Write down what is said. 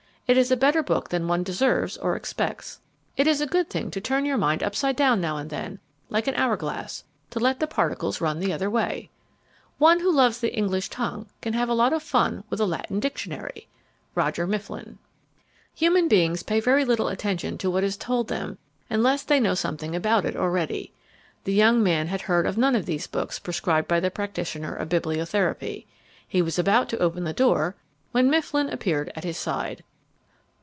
It is a better book than one deserves or expects. It's a good thing to turn your mind upside down now and then, like an hour glass, to let the particles run the other way. One who loves the English tongue can have a lot of fun with a Latin dictionary. ROGER MIFFLIN. Human beings pay very little attention to what is told them unless they know something about it already. The young man had heard of none of these books prescribed by the practitioner of bibliotherapy. He was about to open the door when Mifflin appeared at his side.